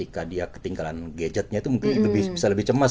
ketinggalan gadgetnya itu mungkin bisa lebih cemas